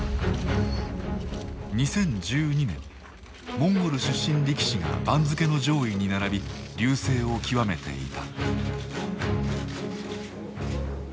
モンゴル出身力士が番付の上位に並び隆盛を極めていた。